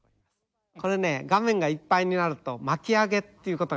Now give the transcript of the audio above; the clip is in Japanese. これね画面がいっぱいになると巻き上げっていうことが起こるんです。